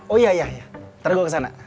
oh iya ntar gue kesana